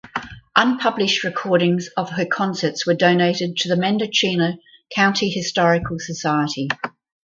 Unpublished recordings of her concerts were donated to the Mendocino County Historical Society.